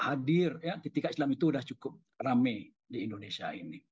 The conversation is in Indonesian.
kehadiran batavia itu jelas hadir ketika islam itu sudah cukup rame di indonesia ini